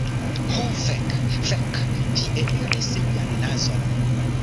Ho fek. Fek, ĝi eniris mian nazon.